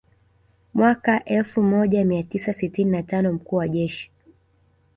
Mwaka elfu moja mia tisa sitini na tano mkuu wa jeshi